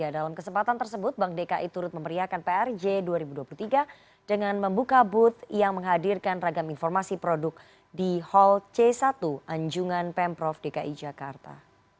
dalam kesempatan tersebut bank dki turut memeriakan prj dua ribu dua puluh tiga dengan membuka booth yang menghadirkan ragam informasi produk di hall c satu anjungan pemprov dki jakarta